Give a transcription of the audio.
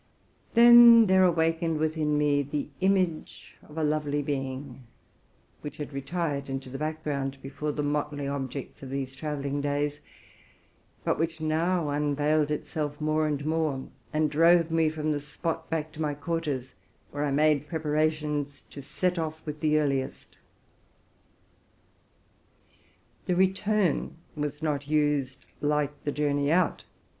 Then there awakened within me the image of a lovely being, which had retired 'into the background before the motley objects of these travelling days, but which now unveiled itself more and more, and drove me from the spot back to my quarters, where I made preparations to set off as early as possible. The return was not used like the journey out.